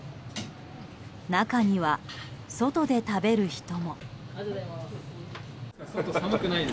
中には、外で食べる人も。